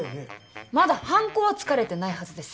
まだはんこはつかれてないはずです。